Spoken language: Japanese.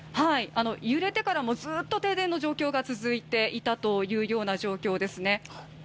揺れてからもずっと停電の状況が続いていたというような状況ですね